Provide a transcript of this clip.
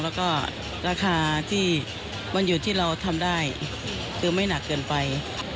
แล้วก็ราคาที่มันอยู่ที่เราทำได้คือไม่หนักเกินไป